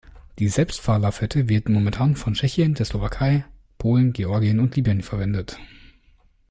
Die Selbstfahrlafette wird momentan von Tschechien, der Slowakei, Polen, Georgien und Libyen verwendet.